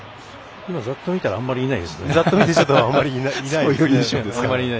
ざっと見たらあまりいないですね。